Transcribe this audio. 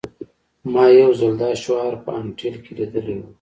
ما یو ځل دا شعار په انټیل کې لیدلی و